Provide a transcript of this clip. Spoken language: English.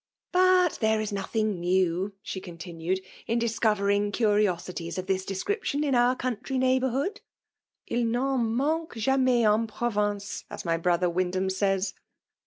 ^* But there is nothing new/* she continued, *' in discovering cariosities of this description in our country neighbourhood. II iCtn mdngue jwnum en province, as my brother Wyndham says.